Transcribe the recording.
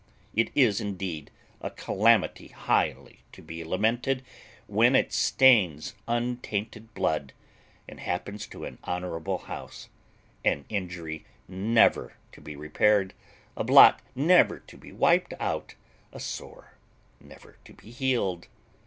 It is indeed a calamity highly to be lamented, when it stains untainted blood, and happens to an honourable house an injury never to be repaired a blot never to be wiped out a sore never to be healed.